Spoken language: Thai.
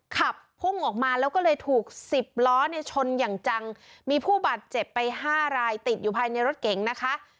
ขับพุ่งออกมาแล้วก็เลยถูกสิบล้อเนี่ยชนอย่างจังมีผู้บาดเจ็บไปห้ารายติดอยู่ภายในรถเก๋งนะคะ